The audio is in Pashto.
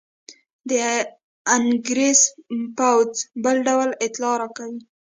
د انګرېز پوځ بل ډول اطلاع راکوي.